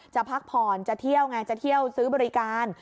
พักผ่อนจะเที่ยวไงจะเที่ยวซื้อบริการ